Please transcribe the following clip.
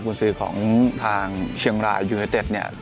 คุณซื้อของทางเชียงรายยูเนเต็ดเนี่ย